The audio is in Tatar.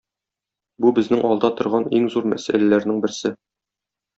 бу безнең алда торган иң зур мәсьәләләрнең берсе.